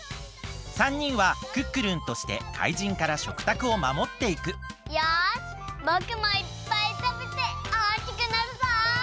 ３にんはクックルンとして怪人から食卓をまもっていくよしぼくもいっぱいたべておおきくなるぞ！